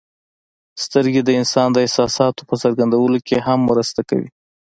سترګې د انسان د احساساتو په څرګندولو کې هم مرسته کوي.